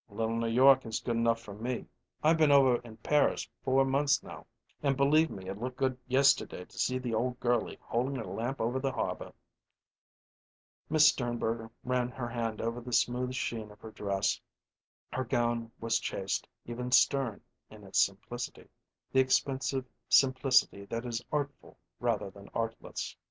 "Little New York is good enough for me. I've been over in Paris four months, now, and, believe me, it looked good yesterday to see the old girlie holdin' her lamp over the harbor." Miss Sternberger ran her hand over the smooth sheen of her dress; her gown was chaste, even stern, in its simplicity the expensive simplicity that is artful rather than artless.